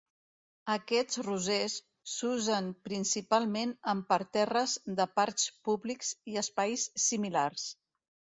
Aquests rosers s'usen principalment en parterres de parcs públics i espais similars.